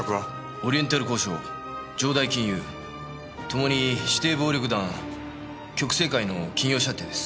オリエンタル興商城代金融ともに指定暴力団極征会の企業舎弟です。